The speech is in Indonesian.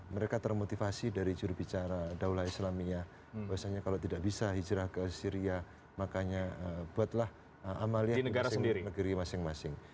mereka termotivasi dari jurubicara daulah islamiyah bahwasannya kalau tidak bisa hijrah ke syria makanya buatlah amalia negeri masing masing